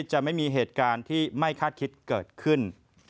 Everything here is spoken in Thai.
จะไม่มีเหตุการณ์ที่ไม่คาดคิดเกิดขึ้น